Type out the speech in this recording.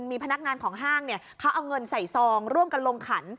มีพนักงานของห้างเขาเอาเงินใส่ซองร่วมกันลงขัน